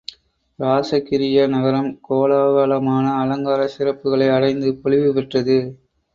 இராசகிரிய நகரம் கோலாகலமான அலங்காரச் சிறப்புக்களை அடைந்து பொலிவு பெற்றது.